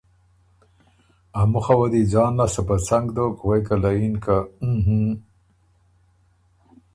ا مُخه وه دی ځان لاسته په څنګ دوک، غوېکه له یِن که اُووووں ــ هُووووں